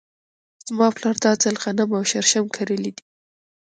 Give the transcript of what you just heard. زما پلار دا ځل غنم او شړشم کرلي دي .